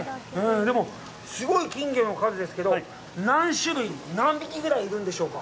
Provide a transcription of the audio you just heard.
でも、すごい金魚の数ですけど、何種類、何匹ぐらいいるんでしょうか。